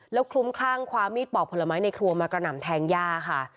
แล้วคลุ้มคลั่งคว้ามีดปอกผลไม้ในครัวมากระหน่ำแทงย่าค่ะ